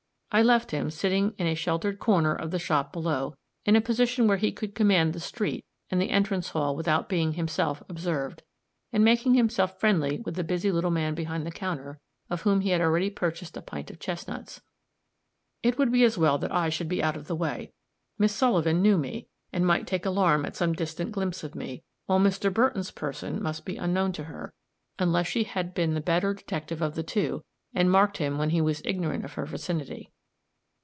I left him, sitting in a sheltered corner of the shop below, in a position where he could command the street and the entrance hall without being himself observed, and making himself friendly with the busy little man behind the counter, of whom he had already purchased a pint of chestnuts. It would be as well that I should be out of the way. Miss Sullivan knew me, and might take alarm at some distant glimpse of me, while Mr. Burton's person must be unknown to her, unless she had been the better detective of the two, and marked him when he was ignorant of her vicinity.